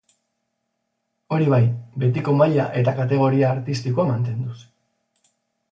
Hori bai, betiko maila eta kategoria artistikoa mantenduz.